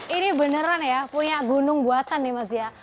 ini beneran ya punya gunung buatan nih mas ya